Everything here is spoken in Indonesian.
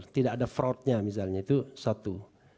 tidak ada fraudnya misalnya itu satu